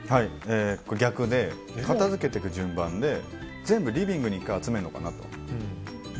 逆で、片付けていく順番で全部リビングに１回集めるのかなと。